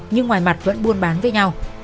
nhưng ngoài mặt vẫn buôn bán với nhau